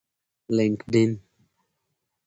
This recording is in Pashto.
لینکډین